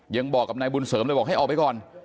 ยังบอกกับนายบุญเสริมเลยบอกให้ออกไปก่อน